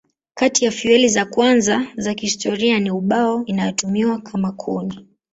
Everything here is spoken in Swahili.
Kati ya fueli za kwanza za historia ni ubao inayotumiwa kama kuni.